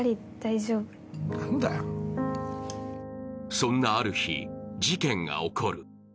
そんなある日、事件が起こる。